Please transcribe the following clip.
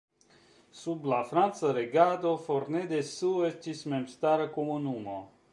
Sub la franca regado Fornet-Dessous estis memstara komunumo.